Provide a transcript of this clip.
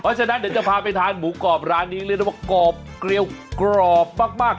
เพราะฉะนั้นเดี๋ยวจะพาไปทานหมูกรอบร้านนี้เรียกได้ว่ากรอบเกลียวกรอบมาก